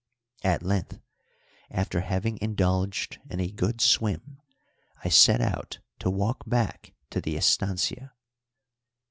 At length, after having indulged in a good swim, I set out to walk back to the estancia.